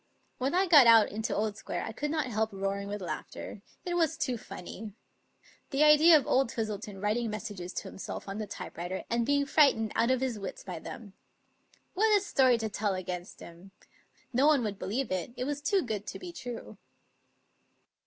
When I got out into Old Square I could not help roaring with laughter. It was too funny. The idea of old Twistleton writing messages to himself on the type writer, and being frightened out of his wits by them. What a story to tell against him! No one would believe it; it was too good to be true.